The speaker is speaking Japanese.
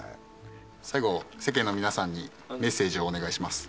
最後世間の皆さんにメッセージをお願いします。